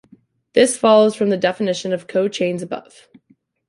This follows from the definition of cochains above.